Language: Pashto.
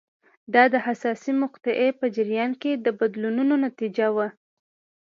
دا د حساسې مقطعې په جریان کې بدلونونو نتیجه وه.